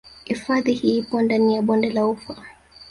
Hifadhi hii ipo ndani ya bonde la ufa